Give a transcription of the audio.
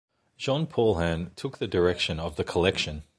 Jean Paulhan took the direction of the collection.